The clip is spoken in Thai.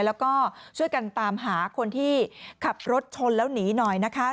แล้วก็ช่วยกันตามหาคนที่ขับรถชนแล้วหนีหน่อยนะคะ